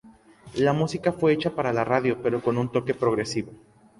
La música fue hecha para la radio, pero con un toque progresivo.